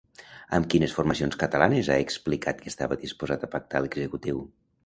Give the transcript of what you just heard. Amb quines formacions catalanes ha explicat que estava disposat a pactar l'executiu?